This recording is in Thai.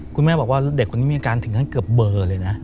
คุณแม่บอกว่าเด็กคนนี้มีอาการถึงขั้นเกือบเบอร์เลยนะ